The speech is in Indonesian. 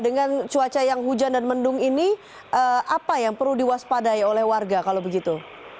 dengan cuaca yang hujan dan mendung ini apa yang perlu diwaspadai oleh warga kalau begitu